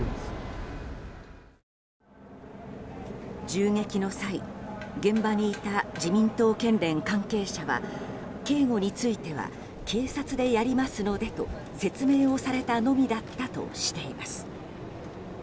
銃撃の際、現場にいた自民党県連関係者は警護については警察でやりますのでと説明をされたのみだったとしています。